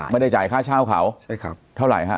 ไม่ได้จ่ายค่าเช่าเขาเท่าไหร่ฮะ